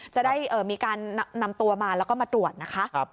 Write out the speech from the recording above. จะได้มีการนำตัวมาแล้วก็มาตรวจนะคะ